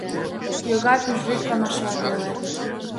Йога пӱжвӱд памашла веле.